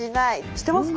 してますか？